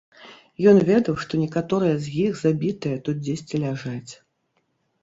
Ён ведаў, што некаторыя з іх забітыя тут дзесьці ляжаць.